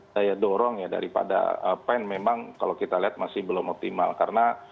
daya dorong ya daripada pen memang kalau kita lihat masih belum optimal karena